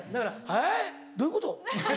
えっ？どういうこと？